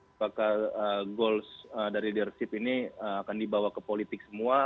apakah goals dari leadership ini akan dibawa ke politik semua